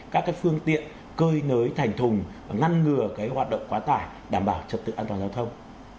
các phương tiện cơi nới thành thùng ngăn ngừa hoạt động quá tải đảm bảo trật tự an toàn giao thông